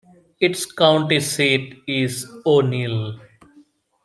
Its county seat is O'Neill.